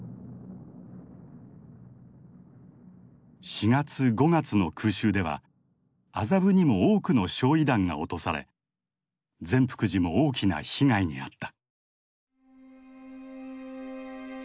４月５月の空襲では麻布にも多くの焼夷弾が落とされ善福寺も大きな被害に遭った。